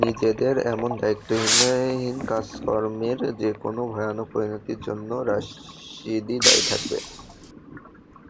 নিজেদের এমন দায়িত্বহীন কাজকর্মের যেকোনো ভয়ানক পরিণতির জন্য রাশিয়াই দায়ী থাকবে।